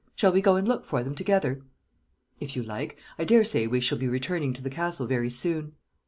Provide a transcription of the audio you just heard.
Shall we go and look for them together?" "If you like. I daresay we shall be returning to the Castle very soon."